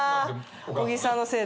小木さんのせいだ。